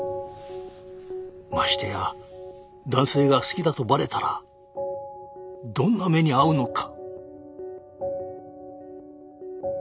ましてや男性が好きだとバレたらどんな目に遭うのか。